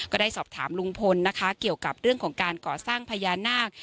ก็ได้สอบถามลุงพลนะคะเกี่ยวกับเรื่องของการก่อสร้างพญานาค